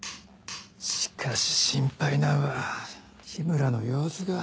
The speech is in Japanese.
しかし心配なんは緋村の様子が。